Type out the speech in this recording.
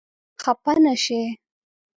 خپه نه شې؟